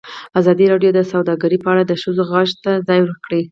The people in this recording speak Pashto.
ازادي راډیو د سوداګري په اړه د ښځو غږ ته ځای ورکړی.